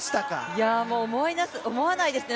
いや、思わないですね。